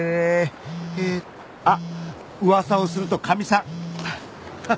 あっ噂をするとかみさん。